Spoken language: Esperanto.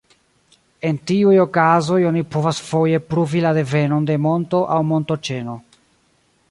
En tiuj okazoj oni povas foje pruvi la devenon de monto aŭ montoĉeno.